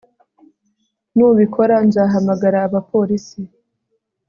Nubikora nzahamagara abapolisi